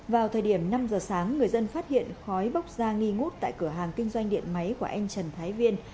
vào thời điểm năm giờ sáng người dân phát hiện khói bốc ra nghi ngút tại cửa hàng kinh doanh điện máy của anh trần thái viên